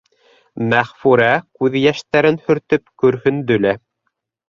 Мәғфүрә күҙ йәштәрен һөртөп көрһөндө лә: